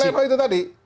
semenjak pleno itu tadi